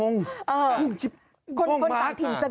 งงชิบมาก